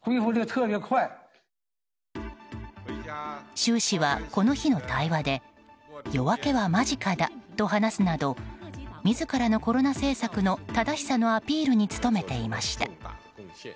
習氏はこの日の対話で夜明けは間近だと話すなど自らのコロナ政策の正しさのアピールに努めていました。